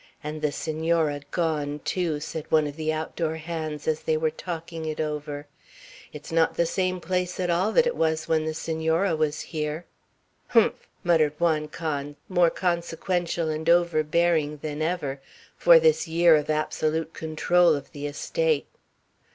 "And the Senora gone, too," said one of the outdoor hands, as they were talking it over; "it's not the same place at all that it was when the Senora was here." "Humph!" muttered Juan Can, more consequential and overbearing than ever, for this year of absolute control of the estate.